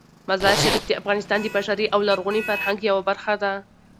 مزارشریف د افغانستان د بشري او لرغوني فرهنګ یوه برخه ده.